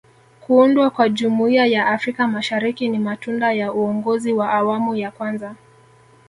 kuundwa kwa Jumuiya ya Afrika Mashariki ni matunda ya uongozi wa awamu ya kwanza